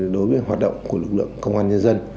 đối với hoạt động của lực lượng công an nhân dân